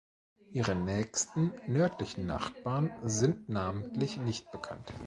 Ihre nächsten nördlichen Nachbarn sind namentlich nicht bekannt.